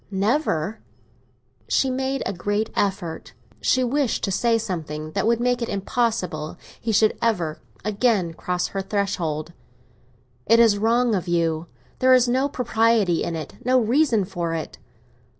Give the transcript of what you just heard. —never?" She made a great effort; she wished to say something that would make it impossible he should ever again cross her threshold. "It is wrong of you. There is no propriety in it—no reason for it."